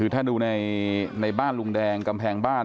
ถ้าดูในบ้านลุงแดงกำแพงบ้าน